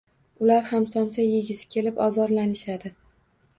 Ular ham somsa yegisi kelib, ozorlanishadi.